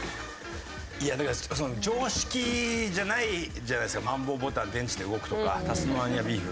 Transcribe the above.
いやだからその常識じゃないじゃないですか「マンボウボタン電池で動く」とか「タスマニアビーフ」。